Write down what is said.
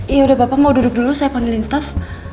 ya udah bapak mau duduk dulu saya panggilin staff